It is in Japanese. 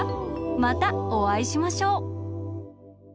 またおあいしましょう。